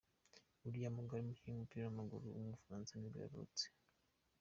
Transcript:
William Gallas, umukinnyi w’umupira w’amaguru w’umufaransa nibwo yavutse.